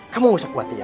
kamu gak usah khawatir ya